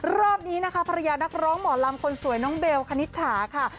รอบนี้นะคะภรรยานักร้องหมอลำคนสวยน้องเบลคณิตถาค่ะ